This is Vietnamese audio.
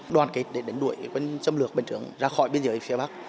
đoàn kết để đánh đuổi quân xâm lược bình trường ra khỏi biên giới phía bắc